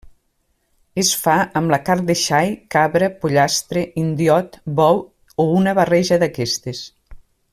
Es fa amb la carn de xai, cabra, pollastre, indiot, bou, o una barreja d'aquestes.